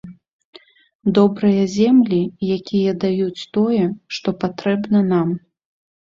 Добрыя землі, якія даюць тое, што патрэбна нам.